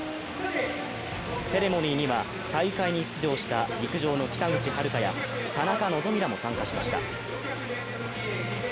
セレモニーには大会に出場した陸上の北口榛花や田中希実らも参加しました。